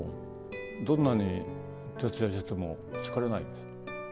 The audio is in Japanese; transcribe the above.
どんなに徹夜してても疲れないです。